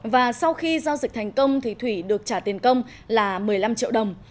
và sau khi giao dịch thành công thì thủy được trả tiền công là một mươi năm triệu đồng